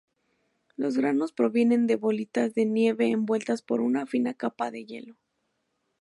Los granos provienen de bolitas de nieve envueltas por una fina capa de hielo.